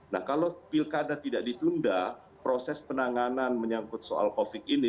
nah kalau pin kado tidak didunda proses penanganan menyangkut soal covid ini